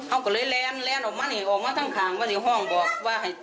เอาก็เลยแล้นแล้นออกมานี่ออกมาทั้งข้างบ้านอยู่ห้องบอกว่า